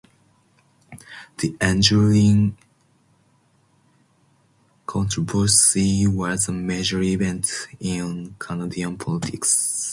The ensuing controversy was a major event in Canadian politics.